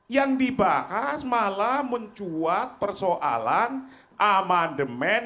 yang dibahas malah mencuat persoalan amandemen